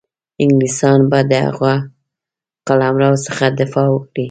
انګلیسیان به د هغه قلمرو څخه دفاع وکړي.